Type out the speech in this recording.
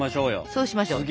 そうしましょう。